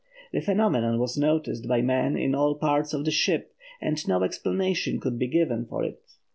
The phenomenon was noticed by men in all parts of the ship, and no explanation could be given for it.